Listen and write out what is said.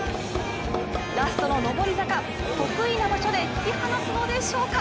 ラストの上り坂得意な場所で引き離すのでしょうか。